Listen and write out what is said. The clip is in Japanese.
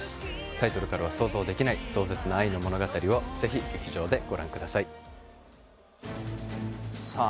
タイトルからは想像できない壮絶な愛の物語を是非劇場でご覧くださいさあ